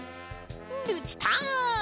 ルチタン！